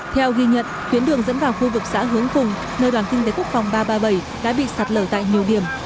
theo ghi nhận tuyến đường dẫn vào khu vực xã hướng cùng nơi đoàn kinh tế quốc phòng ba trăm ba mươi bảy đã bị sạt lở tại nhiều điểm